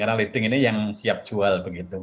karena lifting ini yang siap jual